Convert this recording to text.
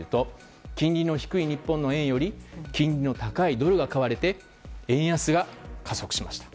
金利の低い日本の円より金利の高いドルが買われて円安が加速しました。